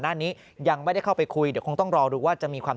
หน้านี้ยังไม่ได้เข้าไปคุยเดี๋ยวคงต้องรอดูว่าจะมีความ